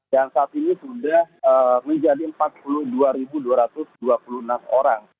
yang saat ini sudah menjadi empat puluh dua dua ratus dua puluh enam orang